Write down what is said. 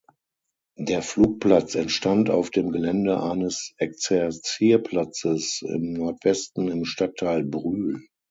Der Flugplatz entstand auf dem Gelände eines Exerzierplatzes im Nordwesten im Stadtteil Brühl.